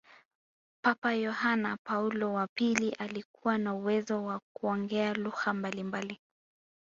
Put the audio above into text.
papa yohane paulo wa pili alikuwa na uwezo wa kuongea lugha mbalimbali